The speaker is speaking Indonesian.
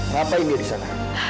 ngapain dia disana